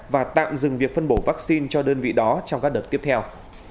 và tạm dừng việc phân bổ vaccine cho đơn vị đó trong các đợt tiếp theo